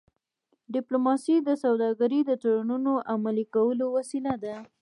ډيپلوماسي د سوداګری د تړونونو عملي کولو وسیله ده.